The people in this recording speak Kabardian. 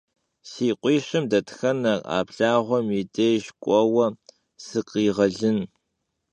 Si khuişım detxener a Blağuem yi dêjj k'ueue sıkhriğelın?